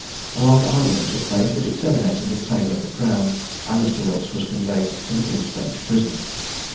A long argument took place, but it terminated in favour of the crown, and Mr. Wilkes was conveyed to the King's Bench prison.